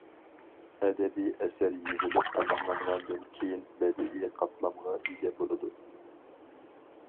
ئەدەبىي ئەسەر يېزىلىپ تاماملانغاندىن كېيىن بەدىئىي قاتلامغا ئىگە بولىدۇ.